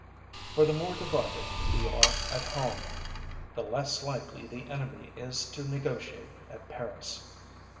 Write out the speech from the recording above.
For the more divided we are at home, the less likely the enemy is to negotiate at Paris.